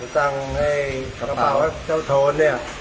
ตั้งให้กระเป๋าเจ้าโทนเนี่ย